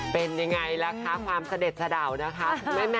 เป็นยังไงนะคะความเสด็จสด่าวนะครับ